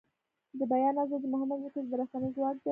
د بیان ازادي مهمه ده ځکه چې د رسنیو ځواک دی.